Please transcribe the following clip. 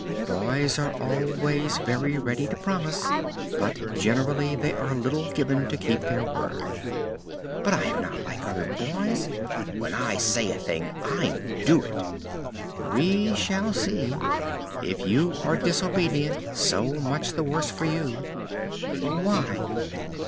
Boys are always very ready to promise, but generally they are little given to keep their word." "But I am not like other boys. When I say a thing, I do it." "We shall see. If you are disobedient, so much the worse for you." "Why?"